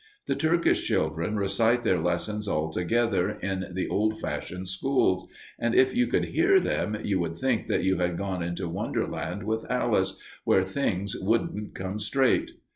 The Turkish children recite their lessons all together in the old fashioned schools, and if you could hear them, you would think that you had gone into Wonderland with Alice where "things wouldn't come straight."